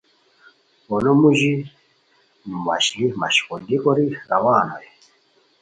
پونو موژی وشلی مشقولگی کوری روان ہوئے